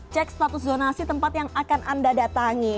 cek status zonasi tempat yang akan anda datangi